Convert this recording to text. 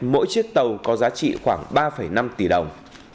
mỗi chiếc tàu có giá trị khoảng ba năm tỷ đồng